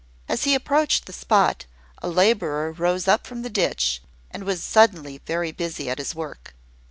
As he approached the spot, a labourer rose up from the ditch, and was suddenly very busy at his work.